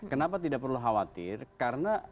kenapa tidak perlu khawatir karena